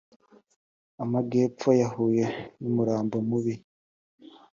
amagepfo yahuye numurambo mubi